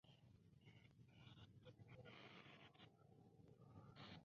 El desarrollo urbano está reglamentado por una declaración de Zona Especial de Desarrollo Controlado.